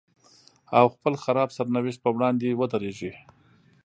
او خپل خراب سرنوشت په وړاندې ودرېږي.